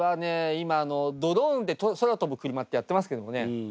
今あのドローンで空飛ぶクルマってやってますけどもね。